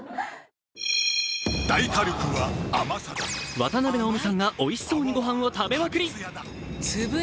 渡辺直美さんがおいしそうにご飯を食べまくり！